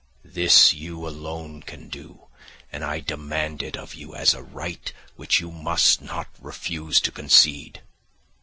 This you alone can do, and I demand it of you as a right which you must not refuse to concede."